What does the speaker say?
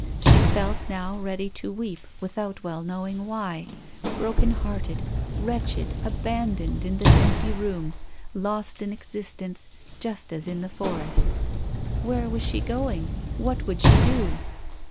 She felt now ready to weep, without well knowing why, broken hearted, wretched, abandoned, in this empty room, lost in existence, just as in a forest. Where was she going, what would she do?